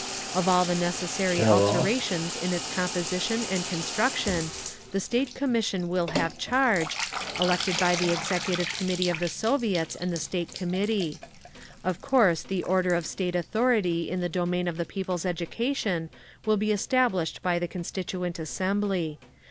Of all the necessary alterations in its composition and construction the State Commission will have charge, elected by the Executive Committee of the Soviets and the State Committee. Of course the order of State authority in the domain of the people's education will be established by the Constituent Assembly.